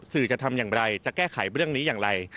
จะทำอย่างไรจะแก้ไขเรื่องนี้อย่างไร